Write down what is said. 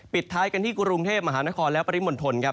ปิดท้ายกันที่กุรุงเทพฯมหานครและปริมณฑล